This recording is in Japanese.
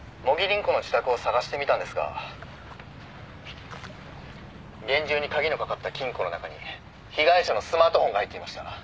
「茂木凛子の自宅を捜してみたんですが厳重に鍵のかかった金庫の中に被害者のスマートフォンが入っていました」